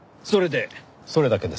それだけです。